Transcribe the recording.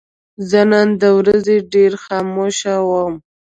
زه نن د ورځې ډېر خاموشه وم.